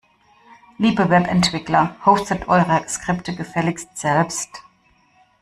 Liebe Webentwickler, hostet eure Skripte gefälligst selbst!